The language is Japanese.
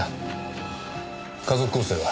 家族構成は？